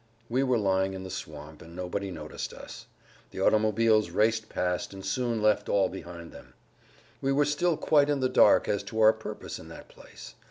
We were lying in the swamp, and nobody noticed us. The automobiles raced past and soon left all behind them. We were still quite in the dark as to our purpose in that place.